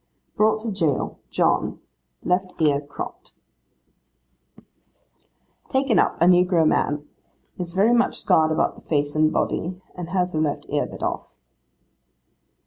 'Brought to jail, John. Left ear cropt.' 'Taken up, a negro man. Is very much scarred about the face and body, and has the left ear bit off.